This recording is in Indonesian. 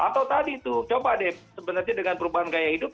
atau tadi tuh coba deh sebenarnya dengan perubahan gaya hidup